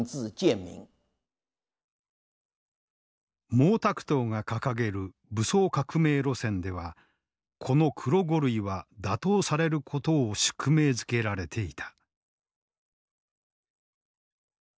毛沢東が掲げる武装革命路線ではこの黒五類は打倒されることを宿命づけられていた。